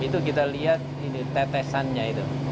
itu kita lihat ini tetesannya itu